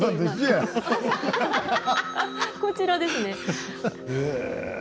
こちらですね。